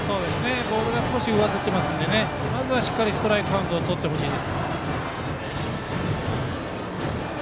ボールが少し上ずってますのでまずはストライクカウントをとってほしいです。